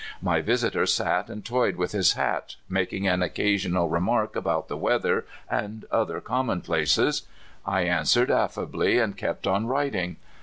My visitor sat and toyed with his hat, making an occasional remark about the weather and other commonplaces. I answered affably, and kept on writing.